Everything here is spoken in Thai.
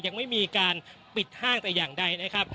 ยังไม่มีการปิดห้างแต่อย่างใดนะครับ